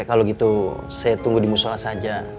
kalau gitu saya tunggu di musola saja